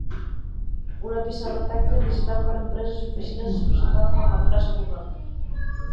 Una pissarra tàctil digital per a empreses i oficines és presentada per l'empresa Google.